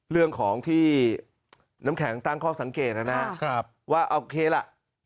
เรื่องของที่น้ำแข็งตั้งข้อสังเกตนะครับว่าโอเคล่ะ